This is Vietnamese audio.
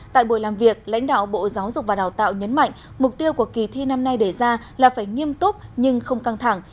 tại buổi làm việc lãnh đạo bộ giáo dục và đào tạo nhấn mạnh mục tiêu của kỳ thi năm nay đề ra là phải nghiêm túc nhưng không căng thẳng